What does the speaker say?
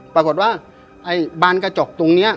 แต่ว่าบานกระจกตรงนี้